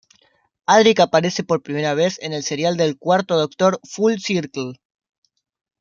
Adric aparece por primera vez en el serial del Cuarto Doctor "Full Circle".